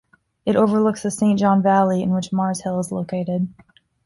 It overlooks the Saint John Valley, in which Mars Hill is located.